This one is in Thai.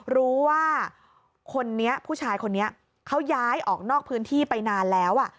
รู้ว่าคนนี้ผู้ชายคนนี้เขาย้ายออกนอกพื้นที่ไปนานแล้ว